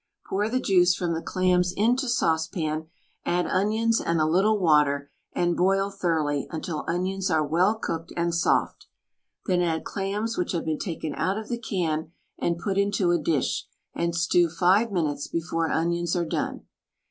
Pour the juice from the clams into saucepan, add onions and a little water and boil thoroughly until onions are well cooked and soft. Then add clams which have been taken out of the can and put into a dish, and stew five minutes before onions are done.